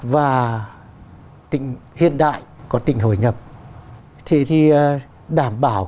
và tỉnh hiện đại có tỉnh hồi nhập thì đảm bảo